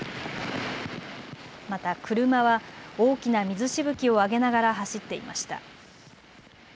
また車は大きな水しぶきを上げながら走っていました。